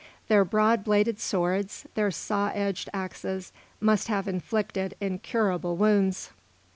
Their broad bladed swords, their saw edged axes, must have inflicted incurable wounds.